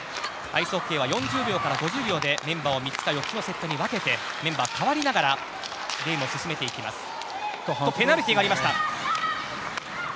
アイスホッケーは４０秒から５０秒でメンバーを３つか４つのセットに分けてメンバーが変わりながらゲームを進めていきます。